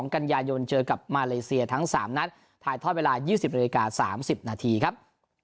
กันยายนเจอกับมาเลเซียทั้ง๓นัดถ่ายทอดเวลา๒๐นาฬิกา๓๐นาทีครับ